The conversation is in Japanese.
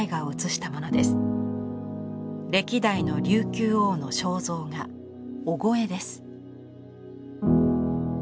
歴代の琉球王の肖像画「御後絵」です。